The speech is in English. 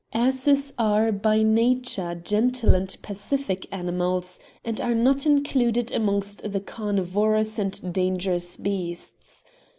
" Asses are by nature gentle and pacific animals, and are not included amongst the carnivorous and dangerous beasts.